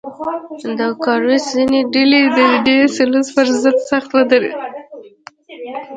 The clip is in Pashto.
د کارایوس ځینې ډلې د ډي سلوس پر ضد سخت ودرېدل.